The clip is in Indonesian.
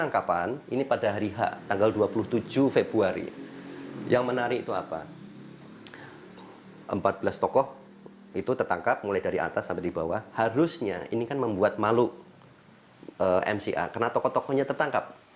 karena tokoh tokohnya tertangkap